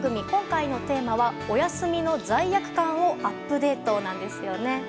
今回のテーマはお休みの罪悪感をアップデートなんですよね。